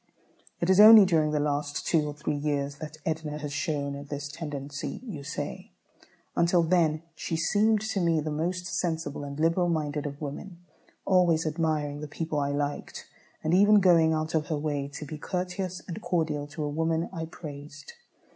"It is only during the last two or three years that Edna has shown this tendency," you say. "Until then she seemed to me the most sensible and liberal minded of women, always admiring the people I liked, and even going out of her way to be courteous and cordial to a woman I praised.